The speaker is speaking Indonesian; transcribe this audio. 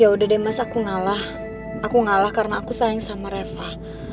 ya udah deh mas aku ngalah aku ngalah karena aku sayang sama reva